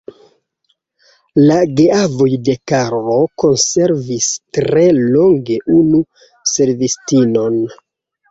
La geavoj de Karlo konservis tre longe unu servistinon.